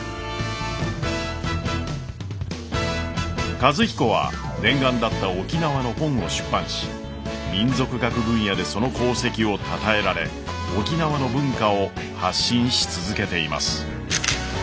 和彦は念願だった沖縄の本を出版し民俗学分野でその功績をたたえられ沖縄の文化を発信し続けています。